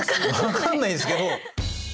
分かんないんですけど。